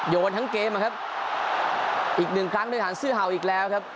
โยนทั้งเกมอะครับอีกหนึ่งครั้งด้วยฐานซื้อเห่าอีกแล้วครับ